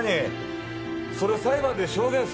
それ裁判で証言するっての？